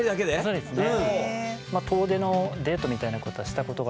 そうですね。